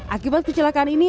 akibat kecelakaan ini